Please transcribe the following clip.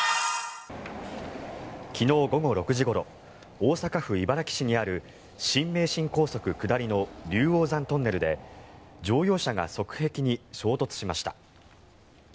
昨日午後６時ごろ大阪府茨木市にある新名神高速下りの竜王山トンネルで乗用車が側壁に衝突しました。